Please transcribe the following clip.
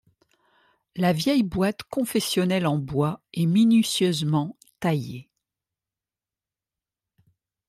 La vieille boîte confessionnelle en bois est minutieusement taillée.